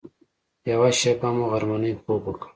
یوه شېبه مو غرمنۍ خوب وکړ.